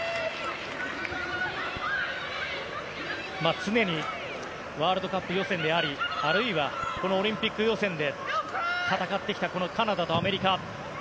常にワールドカップ予選でありあるいはこのオリンピック予選で戦ってきたカナダとアメリカ。